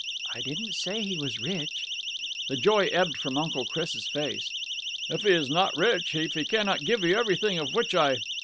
"I didn't say he was rich." The joy ebbed from Uncle Chris' face. "If he is not rich, if he cannot give you everything of which I...."